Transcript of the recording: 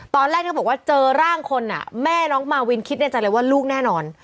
ตอนแรกเธอบอกว่าเจอร่างคนแม่น้องมาวินคิดในใจเลยว่าลูกแน่นอน